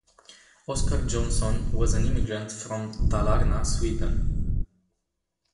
Oscar Johnson was an immigrant from Dalarna, Sweden.